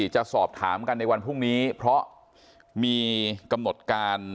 จะสอบถามกันในวันพรุ่งนี้เพราะมีกำหนดการ